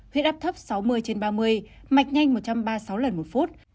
huyết áp thấp sáu mươi trên ba mươi mạch nhanh một trăm ba mươi sáu lần một phút